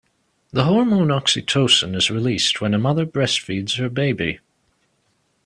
The hormone oxytocin is released when a mother breastfeeds her baby.